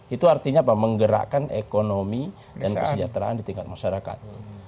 itu artinya apa menggerakkan ekonomi dan kesejahteraan di tingkat masyarakat